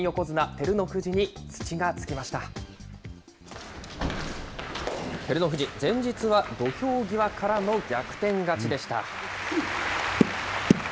照ノ富士、前日は土俵際からの逆転勝ちでした。